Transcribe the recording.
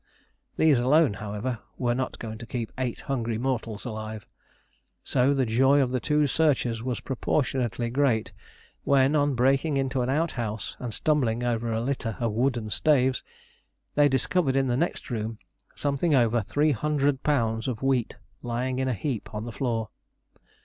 These alone, however, were not going to keep eight hungry mortals alive, so the joy of the two searchers was proportionately great when, on breaking into an outhouse and stumbling over a litter of wooden staves, they discovered in the next room something over 300 pounds of wheat lying in a heap on the floor.